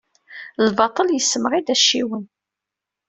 Lbaṭel yessemɣi-d acciwen.